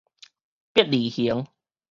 伯利恆